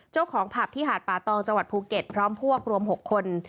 เจ้าของผับที่หาดป่าตองจังหวัดภูเก็ตพร้อมพวกรวม๖คน